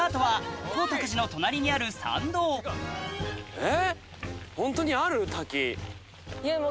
えっ？